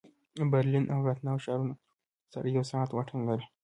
برلین او راتناو ښارونه سره یو ساعت واټن لري